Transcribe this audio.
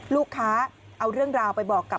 ลูกค้าเอาเรื่องราวไปบอกกับ